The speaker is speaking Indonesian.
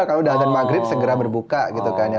kalau udah azan maghrib segera berbuka gitu kan ya